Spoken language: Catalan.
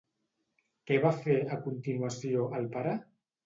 Què va fer, a continuació, el pare?